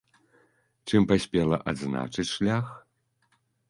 Чым паспела адзначыць шлях?